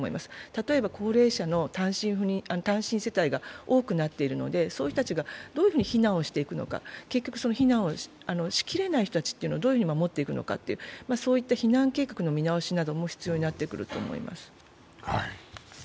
例えば高齢者の単身世帯が多くなっているのでそうした人たちがどうやって避難するのか、結局、避難をしきれない人たちをどうやって守っていくのか、そういった避難計画の見直しなども必要になってくると思います。